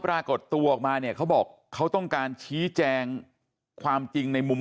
ปรากฏตัวออกมาเนี่ยเขาบอกเขาต้องการชี้แจงความจริงในมุม